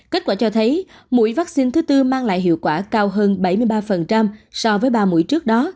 kết quả cho thấy mũi vaccine thứ tư mang lại hiệu quả cao hơn bảy mươi ba so với ba mũi trước đó